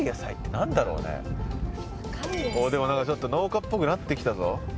でも何かちょっと農家っぽくなってきたぞ。